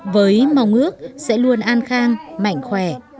với mong ước sẽ luôn an khang mạnh khỏe